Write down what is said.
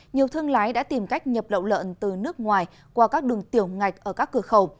nhiều thương lái đã tìm cách nhập lậu lợn từ nước ngoài qua các đường tiểu ngạch ở các cửa khẩu